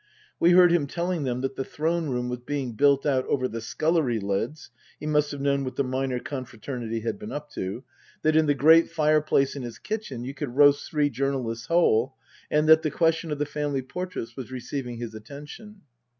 We heard him telling them that the throne room was being built out over the scullery leads (he must have known what the minor confraternity had been up to), that in the great fireplace in his kitchen you could roast three journalists whole, and that the question of the family portraits was receiving his attention.